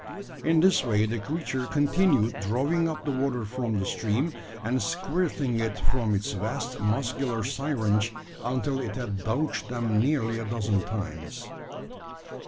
In this way the creature continued drawing up the water from the stream, and squirting it from its vast muscular syringe, until it had douched them nearly a dozen times.